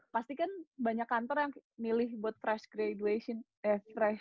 pasti kan banyak kantor yang milih buat fresh graduation eh fresh graduate gak sih